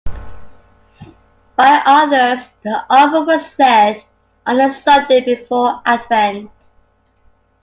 By others the Office was said on the Sunday before Advent.